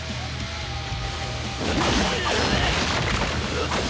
うっ！